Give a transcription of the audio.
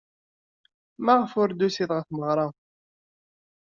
Maɣef ur d-tusid ɣer tmeɣra?